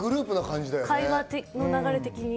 会話の流れ的に。